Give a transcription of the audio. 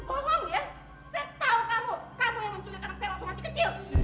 kamu yang menculik anak saya waktu masih kecil